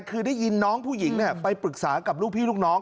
คือได้ยินน้องผู้หญิงไปปรึกษากับลูกพี่ลูกน้อง